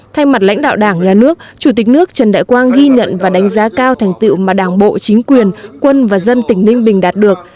thay mặt lãnh đạo đảng nhà nước chủ tịch nước trần đại quang ghi nhận và đánh giá cao thành tiệu mà đảng bộ chính quyền quân và dân tỉnh ninh bình đạt được